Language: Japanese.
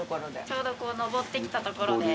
ちょうどこう登ってきたところで。